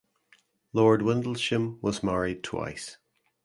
Lord Windlesham was married twice.